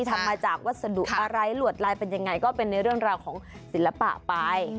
ทำมาจากวัสดุอะไรหลวดลายเป็นยังไงก็เป็นในเรื่องราวของศิลปะไป